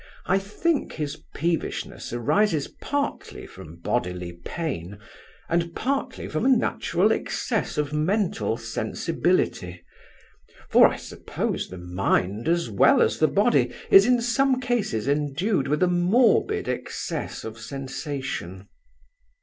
I think his peevishness arises partly from bodily pain, and partly from a natural excess of mental sensibility; for, I suppose, the mind as well as the body, is in some cases endued with a morbid excess of sensation.